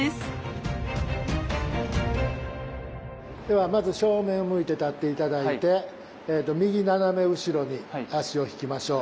ではまず正面を向いて立って頂いて右斜め後ろに足を引きましょう。